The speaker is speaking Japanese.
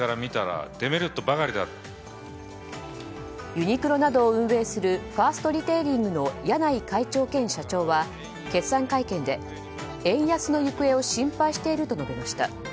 ユニクロなどを運営するファーストリテイリングの柳井会長兼社長は、決算会見で円安の行方を心配していると述べました。